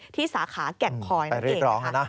ที่สาขาแก่งคอยนั่นเองไปเรียกร้องแล้วนะ